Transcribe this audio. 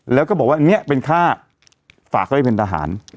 แล้วก็บอกว่าเนี่ยเป็นค่าฝากไว้เป็นทหาร